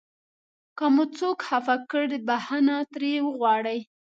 که مو څوک خفه کړ بښنه ترې وغواړئ.